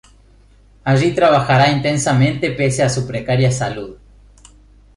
Allí trabajará intensamente pese a su precaria salud.